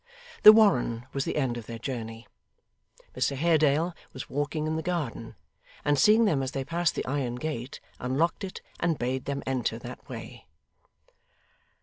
The Warren was the end of their journey. Mr Haredale was walking in the garden, and seeing them as they passed the iron gate, unlocked it, and bade them enter that way.